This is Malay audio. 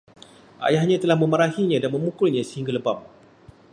Ayahnya telah memarahinya dan memukulnya sehingga lebam